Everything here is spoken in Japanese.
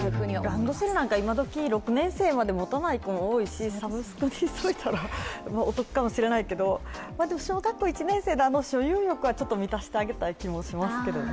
ランドセルなんか、今どき、６年生まで持たない子が多いのでサブスクにしておいたらお得かもしれないけど、でも、小学校１年生で所有欲は満たしてあげたい気もしますけどね。